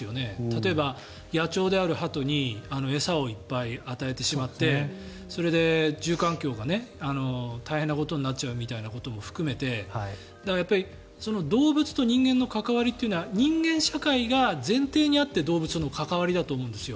例えば野鳥であるハトに餌をいっぱい与えてしまってそれで住環境が大変なことになるみたいなことも含めてやっぱり動物と人間の関わりというのは人間社会が前提にあって動物との関わりだと思うんです。